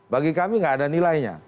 bagi kami nggak ada nilainya